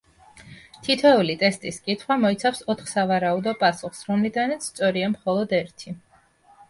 თითოეული ტესტის კითხვა მოიცავს ოთხ სავარაუდო პასუხს, რომლიდანაც სწორია მხოლოდ ერთი.